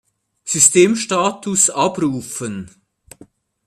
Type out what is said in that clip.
Systemstatus abrufen!